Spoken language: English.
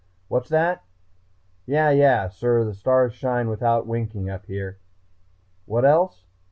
What's that? Yeah, yeah, sir, the stars shine without winking up here. What else?...